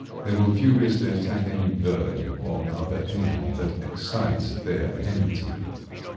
They will furiously attack any bird or other animal that excites their enmity.